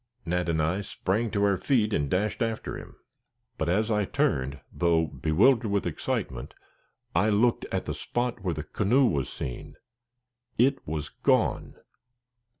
Nat and I sprang to our feet and dashed after him; but as I turned, though bewildered with excitement, I looked at the spot where the canoe was seen. It was gone!